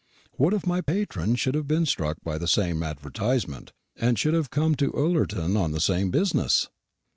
What if my patron should have been struck by the same advertisement, and should have come to Ullerton on the same business?